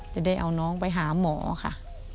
จะได้เอาน้องไปหาหมอค่ะ